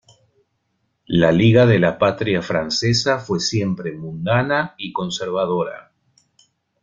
La Liga de la Patria Francesa fue siempre mundana y conservadora.